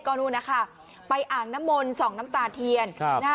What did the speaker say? ก็นู่นนะคะไปอ่างน้ำมนต์ส่องน้ำตาเทียน